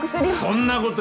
そんなこと？